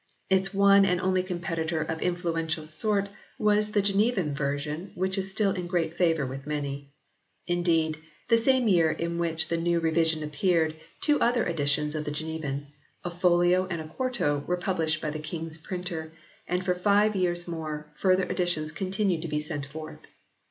Its one and only competitor of influential sort was the Genevan version which was still in great favour with many. Indeed, the same year in which the new revision appeared, two other editions of the Genevan, a folio and a quarto, were published by the King s printer ; and for five years more, further editions continued to be sent forth.